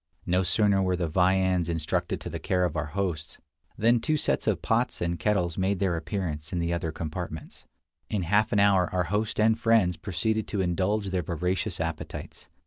No sooner were the viands intrusted to the care of our hosts, than two sets of pots and kettles made their appearance in the other compartments. In half an hour our host and friends proceeded to indulge their voracious appetites.